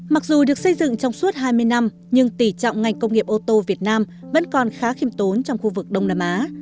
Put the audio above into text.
mặc dù được xây dựng trong suốt hai mươi năm nhưng tỉ trọng ngành công nghiệp ô tô việt nam vẫn còn khá khiêm tốn trong khu vực đông nam á